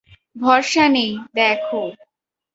ভরসা নেই, দেখ।